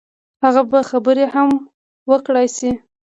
هغه به خبرې هم وکړای شي.